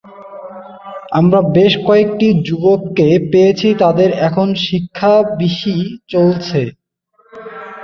আমরা বেশ কয়েকটি যুবককে পেয়েছি, তাদের এখন শিক্ষানবিশী চলছে।